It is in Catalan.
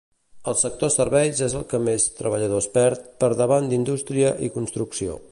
El sector Serveis és el que més treballadors perd, per davant d'Indústria i Construcció.